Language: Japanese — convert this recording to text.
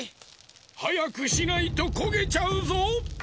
はやくしないとこげちゃうぞ。